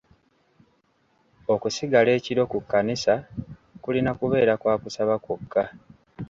Okusigala ekiro ku kkanisa kulina kubeera kwa kusaba kwokka.